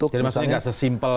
jadi maksudnya tidak sesimpel